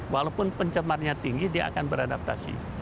walaupun pencemarnya tinggi dia akan beradaptasi